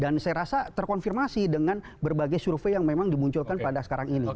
dan saya rasa terkonfirmasi dengan berbagai survei yang memang dimunculkan pada sekarang ini